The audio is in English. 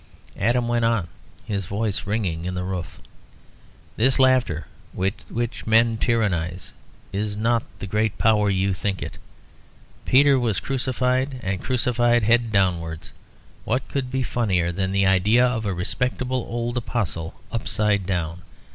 Adam went on, his voice ringing in the roof. "This laughter with which men tyrannise is not the great power you think it. Peter was crucified, and crucified head downwards. What could be funnier than the idea of a respectable old Apostle upside down?